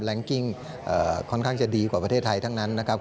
กิ้งค่อนข้างจะดีกว่าประเทศไทยทั้งนั้นนะครับ